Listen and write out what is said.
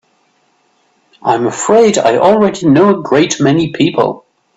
I'm afraid I already know a great many people.